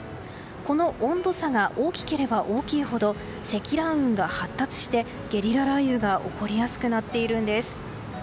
この温度差が大きければ大きいほど積乱雲が発達してゲリラ雷雨が起こりやすくなっているんです。